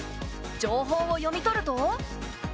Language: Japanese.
情報を読み取ると。